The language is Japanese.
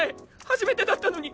初めてだったのに！